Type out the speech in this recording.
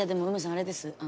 あれですよ